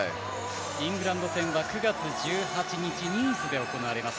イングランド戦は９月１８日に行われます。